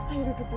ayo duduk dulu